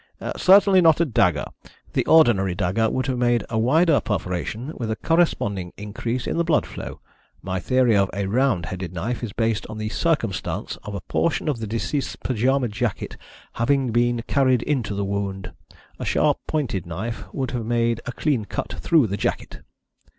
"Certainly not a dagger. The ordinary dagger would have made a wider perforation with a corresponding increase in the blood flow. My theory of a round headed knife is based on the circumstance of a portion of the deceased's pyjama jacket having been carried into the wound. A sharp pointed knife would have made a clean cut through the jacket."